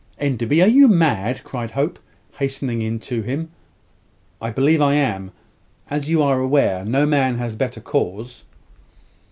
"Enderby, are you mad?" cried Hope, hastening in to him. "I believe I am. As you are aware, no man has better cause."